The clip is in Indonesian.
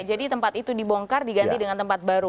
jadi tempat itu dibongkar diganti dengan tempat baru